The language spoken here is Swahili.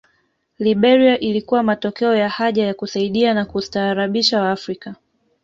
Liberia ilikuwa matokeo ya haja ya kusaidia na kustaarabisha Waafrika